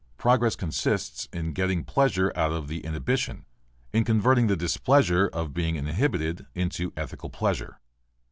Progress consists in getting pleasure out of the inhibition, in converting the displeasure of being inhibited into ethical pleasure.